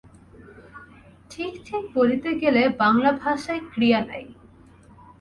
ঠিক ঠিক বলিতে গেলে বাঙলা ভাষায় ক্রিয়া নাই।